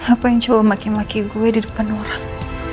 apa yang coba maki maki gue di depan orang